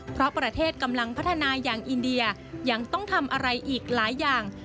เพราะประเทศกำลังพัฒนาอย่างอินเดียยังต้องทำอะไรอีกหลายอย่าง